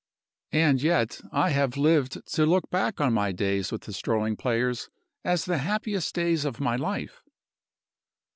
And yet I have lived to look back on my days with the strolling players as the happiest days of my life!